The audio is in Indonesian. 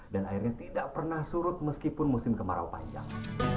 dan airnya tidak pernah surut meskipun musim kemarau panjang